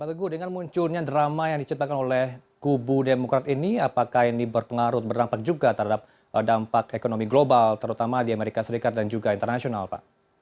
pak teguh dengan munculnya drama yang diciptakan oleh kubu demokrat ini apakah ini berpengaruh berdampak juga terhadap dampak ekonomi global terutama di amerika serikat dan juga internasional pak